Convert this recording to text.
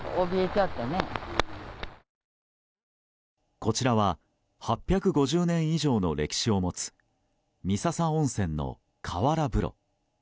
こちらは８５０年以上の歴史を持つ三朝温泉の河原風呂。